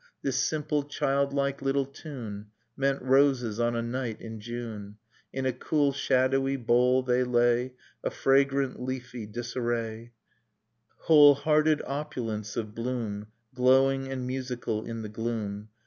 . This simple childlike little tune, — Meant roses on a night in June; In a cool shadowy bowl they lay A fragrant leafy disarray, — Nocturne of Remembered Spring Whole hearted opulence of bloom Glowing and musical in the gloom.